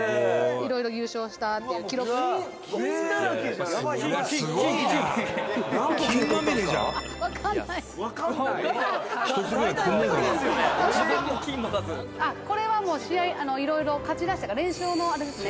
「いろいろ優勝したっていう記録」「これはもう試合いろいろ勝ちだしてから連勝のあれですね」